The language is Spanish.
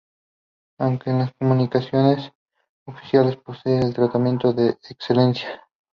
Aunque, en las comunicaciones oficiales posee el tratamiento de "Excelencia".